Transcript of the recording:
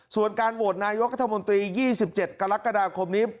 ส่วนการโหวตนายกรัฐมนตรี๒๗กรกฎาคมนี้